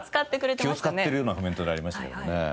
気を使ってるようなコメントでありましたけどもね。